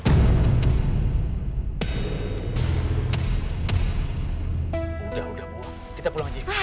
udah udah bu kita pulang aja